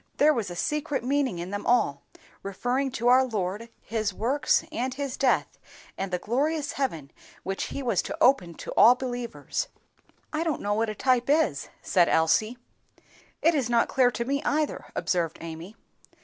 "There was a secret meaning in them all, referring to our Lord, His work, and His death, and the glorious heaven which He was to open to all believers." "I don't know what a type is," said Elsie. "It is not clear to me either," observed Amy.